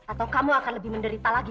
atau kamu akan lebih menderita lagi